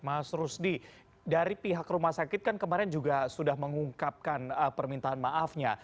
mas rusdi dari pihak rumah sakit kan kemarin juga sudah mengungkapkan permintaan maafnya